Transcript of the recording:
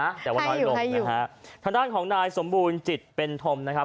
ห้าอยู่แต่วันน้อยอุ่มนะฮะทางด้านของนายสมบูรณ์จิตเป็นทมนะครับ